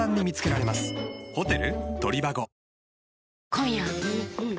今夜はん